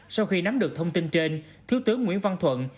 sau khi nắm được thông tin trên thứ tướng nguyễn văn thuận